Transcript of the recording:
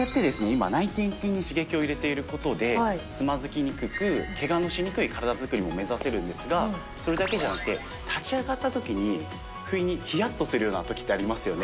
今内転筋に刺激を入れている事でつまずきにくくケガのしにくい体づくりを目指せるんですがそれだけじゃなくて立ち上がった時に不意にヒヤッとするような時ってありますよね。